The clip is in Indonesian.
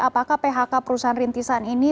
apakah phk perusahaan rintisan ini